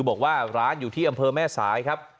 บอกว่าร้านอยู่ที่อำเภอแม่สายครับ